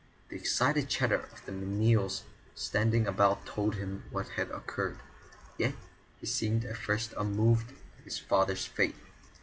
The excited chatter of the menials standing about told him what had occurred, yet he seemed at first unmoved at his father's fate.